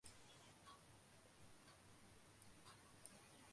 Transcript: বিশ্বজগতের আংশিক অনুভূতি হইতে ঈশ্বর সম্বন্ধে যে ধারণা হয়, তাহাও আংশিক মাত্র।